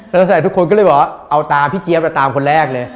แล้วใส่ทุกคนก็เลยบอกว่าเอาตามพี่เจี๊ยบตามคนแรกเลย